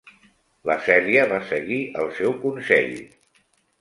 La Celia va seguir el seu consell.